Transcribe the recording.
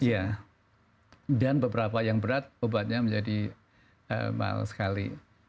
iya dan beberapa yang berat obatnya menjadi mahal sekali